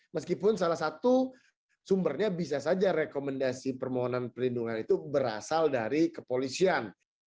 meskipun salah satu sumbernya bisa saja rekomendasi permohonan perlindungan itu berasal dari kepolisian